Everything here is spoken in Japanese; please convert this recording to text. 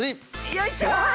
よいしょ！